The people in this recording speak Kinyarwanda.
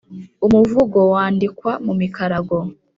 . Umuvugo wandikwa mu mikarago.